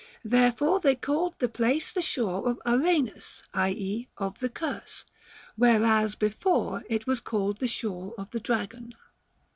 Therefore they called the place the Shore of Araenus (i.e. of the curse), whereas before it was called the Shore of the Dragon.